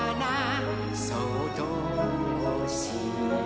そっとおしえて」